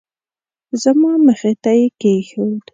زما مخې ته یې کېښود.